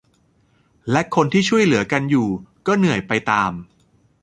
และคนที่ช่วยเหลือกันอยู่ก็เหนื่อยไปตาม